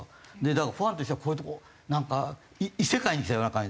だからファンとしてはこういう所なんか異世界に来たような感じで。